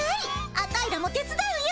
アタイらも手伝うよ。